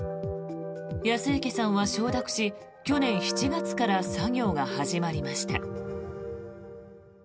安池さんは承諾し、去年７月から作業が始まりました。